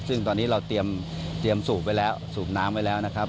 ซึ่งตอนนี้เราเตรียมสูบน้ำไว้แล้วนะครับ